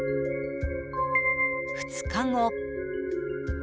２日後。